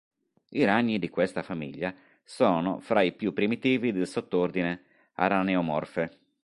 I ragni di questa famiglia sono fra i più primitivi del sottordine Araneomorphae.